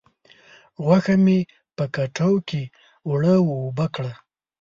غوښه مې په کټو کې اوړه و اوبه کړه.